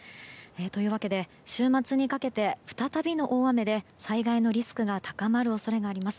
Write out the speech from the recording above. というわけで、週末にかけて再びの大雨で災害のリスクが高まる恐れがあります。